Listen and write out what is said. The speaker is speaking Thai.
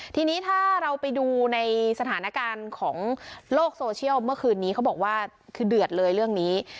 ทีนี้ถ้าเราไปดูในสถานการณ์ของโลกโซเชียลเมื่อคืนนี้เขาบอกว่าคือเดือดเลยเรื่องนี้